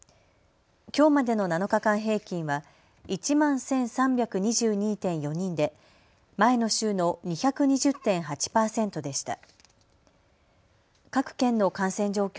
きょうまでの７日間平均は１万１３２２．４人で前の週の２２０．８％でした。